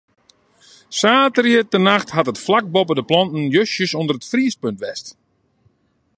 Saterdeitenacht hat it flak boppe de planten justjes ûnder it friespunt west.